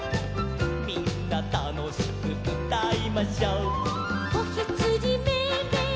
「みんなたのしくうたいましょ」「こひつじメエメエ